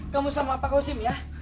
kamu sama pak kosim ya